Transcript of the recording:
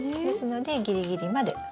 ですのでギリギリまで。